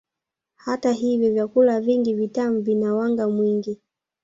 Hata hivyo vyakula vingi vitamu vina wanga mwingi